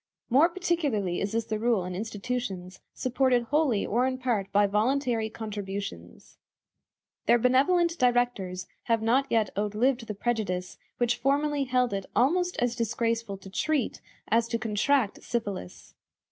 More particularly is this the rule in institutions supported wholly or in part by voluntary contributions. Their benevolent directors have not yet outlived the prejudice which formerly held it almost as disgraceful to treat as to contract syphilis.